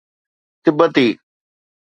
تبتي